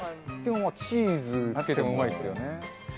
でもチーズつけてもうまいですよね。